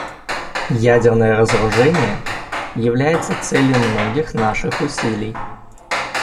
Ядерное разоружение является целью многих наших усилий.